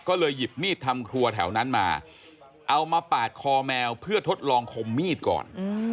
ก็เลยหยิบมีดทำครัวแถวนั้นมาเอามาปาดคอแมวเพื่อทดลองคมมีดก่อน